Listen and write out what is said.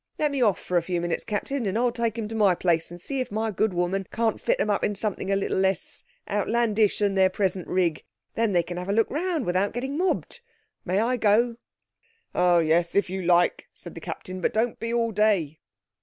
"Let me off for a few minutes, Captain, and I'll take them to my place and see if my good woman can't fit them up in something a little less outlandish than their present rig. Then they can have a look round without being mobbed. May I go?" "Oh yes, if you like," said the Captain, "but don't be all day."